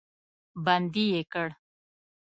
بندي یې کړ.